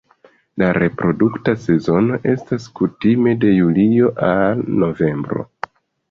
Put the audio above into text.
La reprodukta sezono estas kutime de julio al novembro.